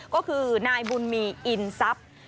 ก็คือนายบุญมีอินทรัพย์